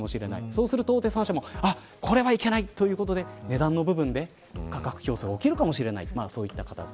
そうすると大手３社もこれはいけないってことで値段の方で価格競争が起きるかもしれません。